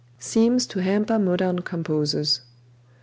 Seems to Hamper Modern Composers.